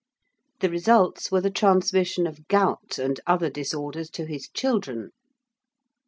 The results were the transmission of gout and other disorders to his children.